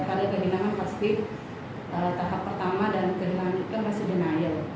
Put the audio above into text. setiap kali terhina pasti tahap pertama dan terhina itu masih denial